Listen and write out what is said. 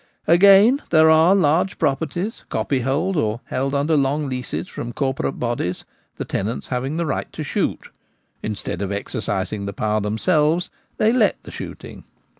Again, there are large properties, copyhold, or held under long leases from corporate bodies, the tenants having the right to shoot Instead of exercising the power themselves, they let the shooting.